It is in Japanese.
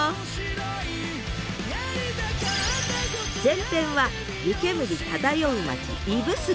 前編は湯煙漂う町指宿。